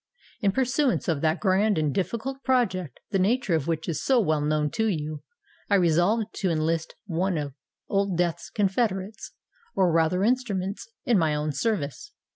In pursuance of that grand and difficult project, the nature of which is so well known to you, I resolved to enlist one of Old Death's confederates, or rather instruments, in my own service.